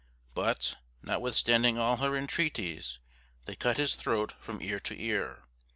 But, notwithstanding all her intreaties, they cut his throat from ear to ear!